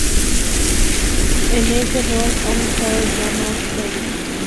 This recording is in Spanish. En ese rol han estado Yamna Lobos, Juan Pedro Verdier y Monserrat Torrent.